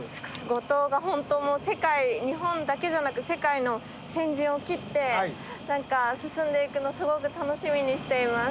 五島が本当もう日本だけじゃなく世界の先陣を切って何か進んでいくのすごく楽しみにしています。